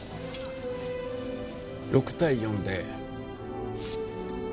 ６対４で。